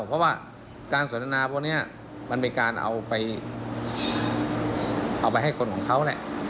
เพราะว่าการสนทนาพวกนี้มันเป็นการเอาไปให้คนของเขาแหละ